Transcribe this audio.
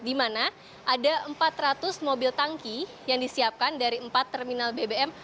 di mana ada empat ratus mobil tangki yang disiapkan dari empat terminal bbm